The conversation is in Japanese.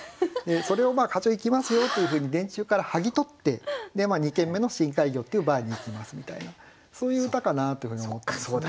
それを「課長行きますよ」というふうに電柱から剥ぎ取って２軒目の「深海魚」っていうバーに行きますみたいなそういう歌かなというふうに思ったんですね。